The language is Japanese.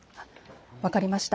分かりました。